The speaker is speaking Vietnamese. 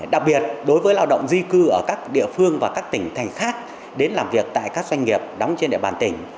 đặc biệt đối với lao động di cư ở các địa phương và các tỉnh thành khác đến làm việc tại các doanh nghiệp đóng trên địa bàn tỉnh